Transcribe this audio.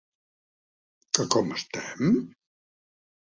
Que com estem?